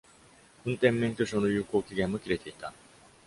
運転免許証の有効期限も切れていた。